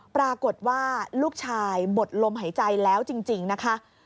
ปรากฏว่าลูกชายหมดลมหายใจแล้วจริงนะคะ